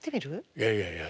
いやいやいや。